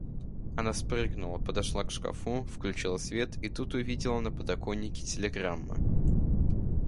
Она спрыгнула, подошла к шкафу, включила свет и тут увидела на подоконнике телеграммы.